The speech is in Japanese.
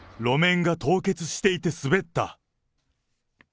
路面が凍結していて滑った。